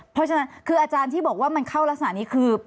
เพราะฉะนั้นคืออาจารย์ที่บอกว่ามันเข้ารักษณะนี้คือ